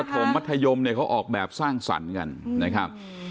ถมมัธยมเนี่ยเขาออกแบบสร้างสรรค์กันนะครับ